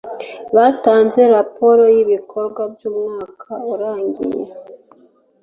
batanze raporo y'ibikorwa by'umwaka urangiye